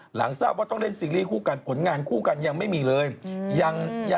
หลังทราบว่าต้องเล่นซีรีส์คู่กันผลงานคู่กันยังไม่มีเลย